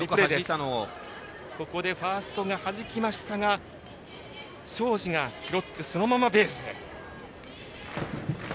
ファーストがはじきましたが庄司が拾ってそのままベースへ。